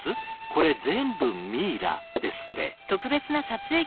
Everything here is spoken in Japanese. これ全部ミイラですって。